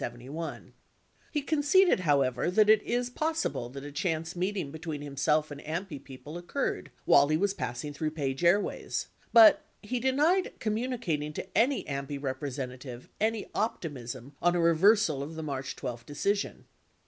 54 He conceded, however, that it is possible that a chance meeting be tween himself and AMPI people occurred while he was passing through Page Airways, 55 but, he denied communicating to any AMPI representative any optimism on a reversal of the March 12 decision.